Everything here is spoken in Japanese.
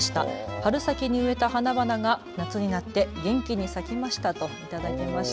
春先に植えた花々が夏になって元気に咲きましたと頂きました。